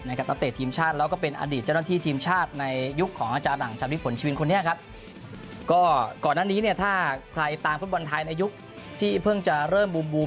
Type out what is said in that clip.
นักเตะทีมชาติแล้วก็เป็นอดีตเจ้าหน้าที่ทีมชาติในยุคของอาจารย์หลังชามิตผลชีวิตคนนี้ครับก็ก่อนหน้านี้เนี่ยถ้าใครตามฟุตบอลไทยในยุคที่เพิ่งจะเริ่มบูม